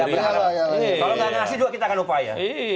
kalau nggak ada nasib juga kita akan upaya